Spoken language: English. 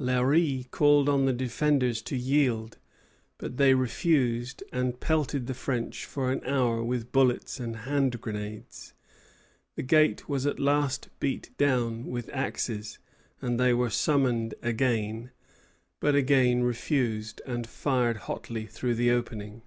Léry called on the defenders to yield; but they refused, and pelted the French for an hour with bullets and hand grenades. The gate was at last beat down with axes, and they were summoned again; but again refused, and fired hotly through the opening.